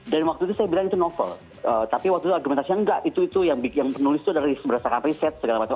dan waktu itu saya bilang itu novel tapi waktu itu argumentasinya nggak itu itu yang penulis itu berasal dari riset segala macam